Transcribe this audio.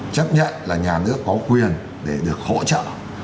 chấp nhận là nhà nước có quyền để được hỗ trợ